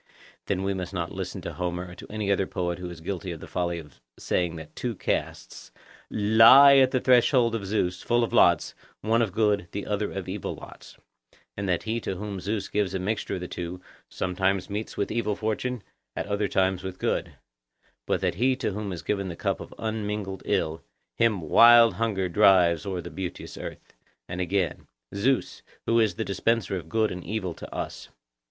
Then we must not listen to Homer or to any other poet who is guilty of the folly of saying that two casks 'Lie at the threshold of Zeus, full of lots, one of good, the other of evil lots,' and that he to whom Zeus gives a mixture of the two 'Sometimes meets with evil fortune, at other times with good;' but that he to whom is given the cup of unmingled ill, 'Him wild hunger drives o'er the beauteous earth.' And again— 'Zeus, who is the dispenser of good and evil to us.